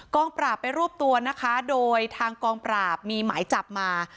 งปราบไปรวบตัวนะคะโดยทางกองปราบมีหมายจับมา